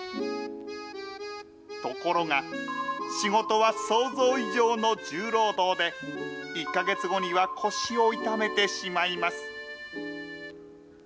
ところが、仕事は想像以上の重労働で、１か月後には腰を痛めてしまいます。